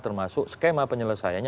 termasuk skema penyelesaiannya